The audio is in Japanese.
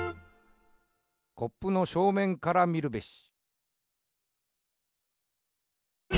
「コップのしょうめんからみるべし。」